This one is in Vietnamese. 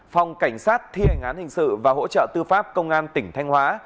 phòng cảnh sát thi hành án hình sự và hỗ trợ tư pháp công an tỉnh thanh hóa